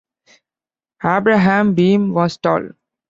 Abraham Beame was tall.